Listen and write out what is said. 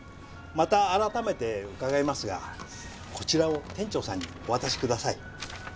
また改めて伺いますがこちらを店長さんにお渡しください。